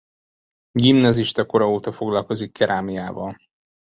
Gimnazista kora óta foglalkozik kerámiával.